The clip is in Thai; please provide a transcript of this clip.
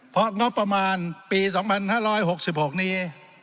เพราะงบประมาณปี๒๕๖๖นี้